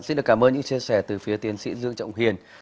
xin được cảm ơn những chia sẻ từ phía tiến sĩ dương trọng hiền